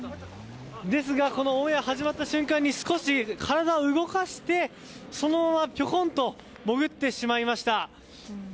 ですが、このオンエアが始まった瞬間に少し体を動かしてそのままぴょこんと潜ってしまいました。